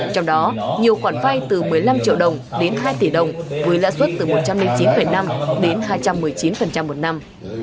trong đó nhiều khoản vai từ một mươi năm triệu đồng đến hai tỷ đồng với lãi suất từ một trăm linh chín năm đến hai trăm một mươi chín một năm